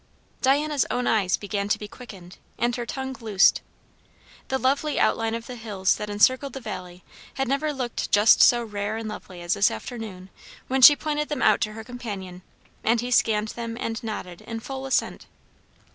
Diana's own eyes began to be quickened, and her tongue loosed. The lovely outline of the hills that encircled the valley had never looked just so rare and lovely as this afternoon when she pointed them out to her companion, and he scanned them and nodded in full assent.